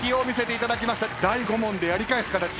第５問でやり返す形。